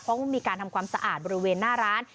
เพราะว่ามีการทำความสะอาดบริเวณหน้าร้าน